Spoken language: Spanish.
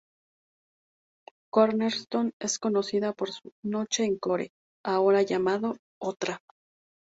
Cornerstone es conocida por su "Noche Encore", ahora llamado "otra".